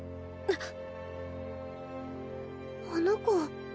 あの子。